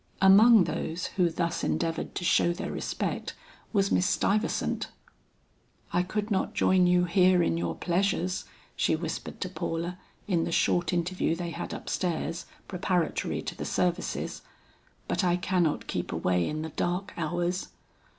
Among those who thus endeavored to show their respect was Miss Stuyvesant. "I could not join you here in your pleasures," she whispered to Paula in the short interview they had upstairs, preparatory to the services, "but I cannot keep away in the dark hours!"